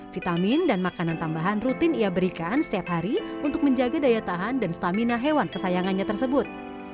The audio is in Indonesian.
vitamin dan makanan tambahan rutin ia berikan setiap hari untuk menjaga daya tahan dan stamina hewan kesayangannya tersebut